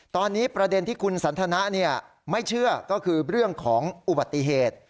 ตอนนี้ประเด็นที่คุณสันทนะไม่เชื่อก็คือเรื่องของอุบัติเหตุ